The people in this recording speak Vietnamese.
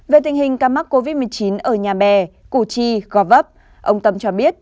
về tình hình ca mắc covid một mươi chín ở nhà bè cụ chi góp ấp ông tâm cho biết